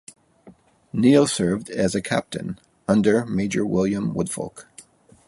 Neill served as a captain under Major William Woodfolk.